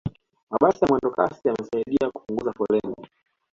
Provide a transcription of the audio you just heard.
mabasi ya mwendokasi yamesaidia kupunguza foleni